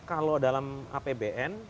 kalau dalam apbn